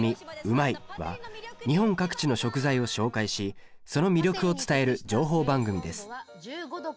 「うまいッ！」は日本各地の食材を紹介しその魅力を伝える情報番組です